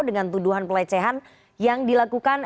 dengan tuduhan pelecehan yang dilakukan